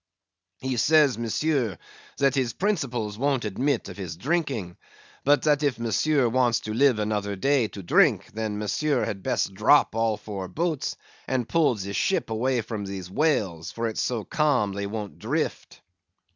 "He says, Monsieur, that his principles won't admit of his drinking; but that if Monsieur wants to live another day to drink, then Monsieur had best drop all four boats, and pull the ship away from these whales, for it's so calm they won't drift."